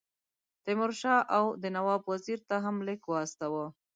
تیمور شاه اَوَد نواب وزیر ته هم لیک واستاوه.